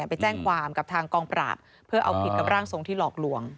ไปแจ้งความกับทางกองปราบเพื่อเอาผิดกับร่างทรงที่หลอกลวง